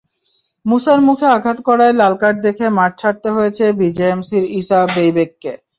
মুসার মুখে আঘাত করায় লালকার্ড দেখে মাঠ ছাড়তে হয়েছে বিজেএমসির ইসা বেইবেককে।